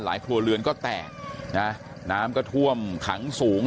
หลายครัวเรือนก็แตกน้ำก็ท่วมขังสูงเลย